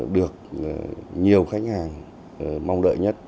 được nhiều khách hàng mong đợi nhất